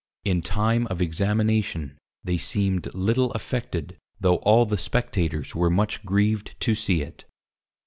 In Time of Examination, they seemed little affected, though all the Spectators were much grieved to see it.